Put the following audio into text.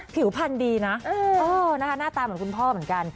ผิวพันธุ์ดีนะหน้าตาเหมือนคุณพ่อเหมือนกัน